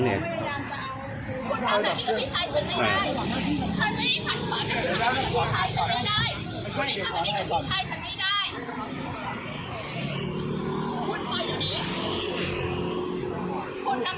แล้วก็มันเป็นเรื่องที่เราคุยกันได้ด้วย